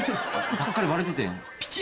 ぱっかり割れててん。